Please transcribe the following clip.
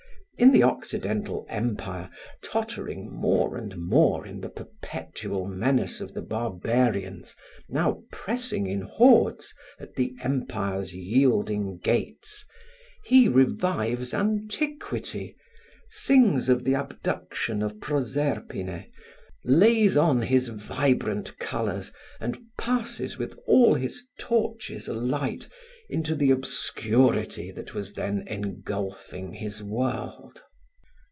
In the Occidental Empire tottering more and more in the perpetual menace of the Barbarians now pressing in hordes at the Empire's yielding gates, he revives antiquity, sings of the abduction of Proserpine, lays on his vibrant colors and passes with all his torches alight, into the obscurity that was then engulfing his world.